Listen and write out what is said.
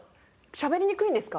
しゃべりにくいんですか？